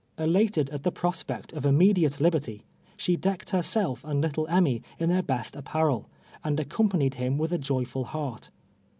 Elated at the prospect of immediate liber ty, she decked herself and little Einmy in their best ap})arel, and accompanied him vrith a joyful heart.